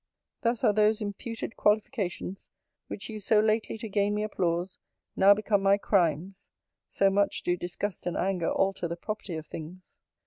Thus are those imputed qualifications, which used so lately to gain me applause, now become my crimes: so much do disgust and anger alter the property of things.